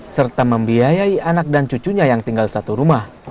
serta membiayai anak dan cucunya yang tinggal satu rumah